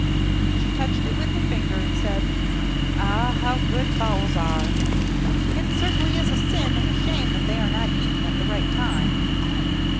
She touched it with her finger, and said: 'Ah! how good fowls are! It certainly is a sin and a shame that they are not eaten at the right time!